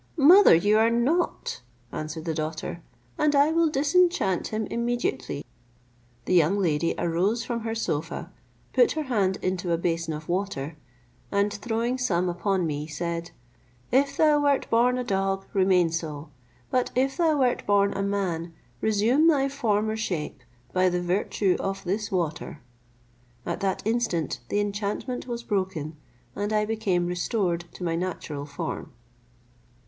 "Mother, you are not," answered the daughter, "and I will disenchant him immediately." The young lady arose from her sofa, put her hand into a basin of water, and throwing some upon me, said, "If thou wert born a dog, remain so, but if thou wert born a man, resume thy former shape, by the virtue of this water." At that instant the enchantment was broken, and I became restored to my natural form.